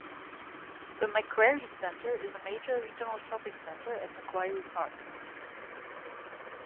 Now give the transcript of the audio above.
The Macquarie Centre is a major regional shopping Centre at Macquarie Park.